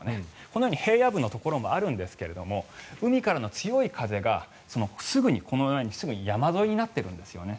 このように平野部のところもあるんですが海からの強い風がすぐに山沿いになってるんですよね。